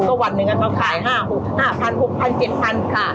ก็วันนึงก็ขาย๕๐๐๐๗๐๐๐ค่ะ